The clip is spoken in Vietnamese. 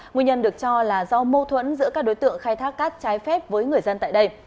nguyên nhân được cho là do mâu thuẫn giữa các đối tượng khai thác cát trái phép với người dân tại đây